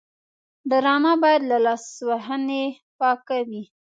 ډرامه باید له لاسوهنې پاکه وي